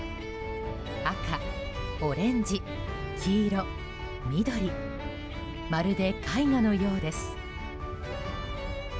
赤、オレンジ、黄色、緑まるで絵画のようです。